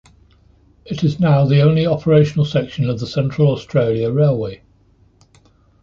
It is now the only operational section of the Central Australia Railway.